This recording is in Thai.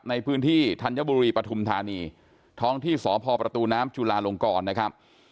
ในพื้นที่ธัญบุรีปฐุมธานีท้องที่สพประตูน้ำจุลาลงกรนะครับ